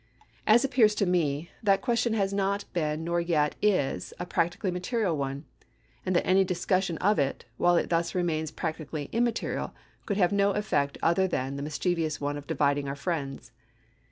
As appears to me, that question has not been nor yet is a practically material one, and that any discussion of it, while it thus remains practically immaterial, could have no effect other than the mischievous one of dividing our friends.